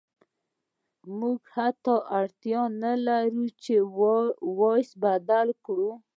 موږ حتی اړتیا نلرو چې ایس بدل کړو